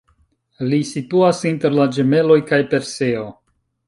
Li situas inter la Ĝemeloj kaj Perseo.